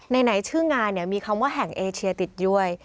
ไหนชื่องานมีคำว่าแห่งเอเชียติดด้วย